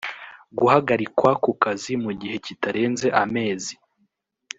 guhagarikwa ku kazi mu gihe kitarenze amezi